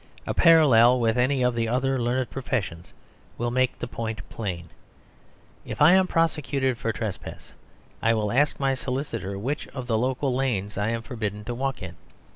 A parallel with any of the other learned professions will make the point plain. If I am prosecuted for trespass, I will ask my solicitor which of the local lanes I am forbidden to walk in.